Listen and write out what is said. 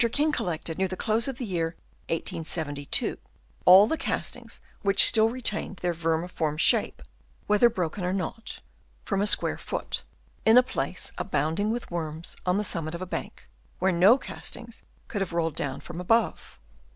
King collected, near the close of the year 1872, all the castings which still retained their vermiform shape, whether broken down or not, from a N 2 166 WEIGHT OF EAETH Chap. III. square foot, in a place abounding witli worms, on the summit of a bank, where no castings could have rolled down from above.